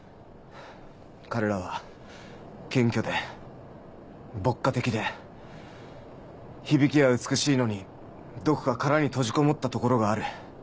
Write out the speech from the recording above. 彼らは謙虚で牧歌的で響きは美しいのにどこか殻に閉じこもったところがある。